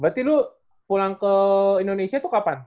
berarti lu pulang ke indonesia tuh kapan